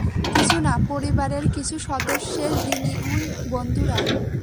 কিছু না, পরিবারের কিছু সদস্যের রিনিউন, বন্ধুরা!